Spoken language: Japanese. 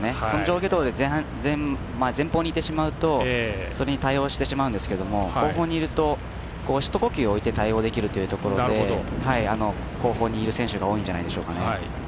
その上下動で前方にいてしまうとそれに対応してしまうんですけど後方にいると一呼吸置いて対応できるというところで後方にいる選手が多いんじゃないでしょうか。